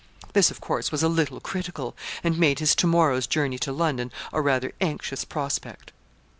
This, of course, was a little critical, and made his to morrow's journey to London a rather anxious prospect.